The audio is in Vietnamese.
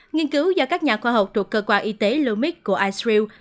nghiên cứu do các nhà khoa học thuộc cơ quan y tế lumix của israel